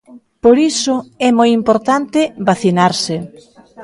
Por iso é moi importante vacinarse.